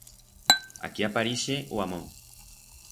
Aquí aparixe o amor.